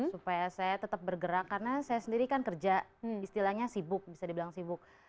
supaya saya tetap bergerak karena saya sendiri kan kerja istilahnya sibuk bisa dibilang sibuk